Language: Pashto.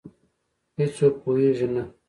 هیڅوک پوهېږې نه،